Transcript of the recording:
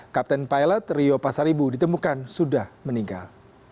kapten pilot rio pasar ibu ditemukan sudah meninggal